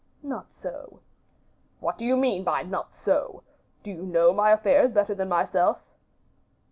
"Not so." "What do you mean by 'not so?' Do you know my affairs better than myself?"